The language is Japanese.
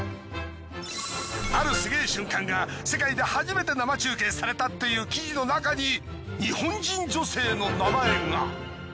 あるすげえ瞬間が世界で初めて生中継されたっていう記事の中に日本人女性の名前が。